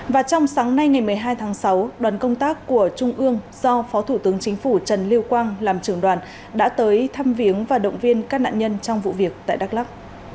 và trong sáng nay ngày một mươi hai tháng sáu đoàn công tác của trung ương do phó thủ tướng chính phủ trần liêu quang làm trưởng đoàn đã tới thăm viếng và động viên các nạn nhân trong vụ việc tại đắk lắc